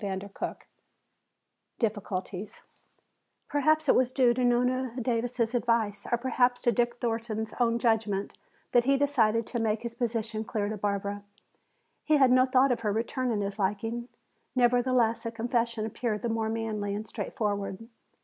CHAPTER XVIII Difficulties Perhaps it was due to Nona Davis' advice, or perhaps to Dick Thornton's own judgment, that he decided to make his position clear to Barbara. He had no thought of her returning his liking; nevertheless, a confession appeared the more manly and straightforward.